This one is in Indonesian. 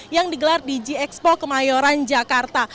yang digelar di g expo kemayoran jakarta